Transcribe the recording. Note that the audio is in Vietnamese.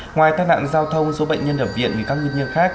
ngoài tai nạn giao thông số bệnh nhân nhập viện với các nguyên nhân khác